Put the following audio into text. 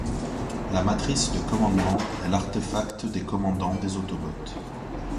La Matrice de commandement est l'artefact des commandants des Autobots.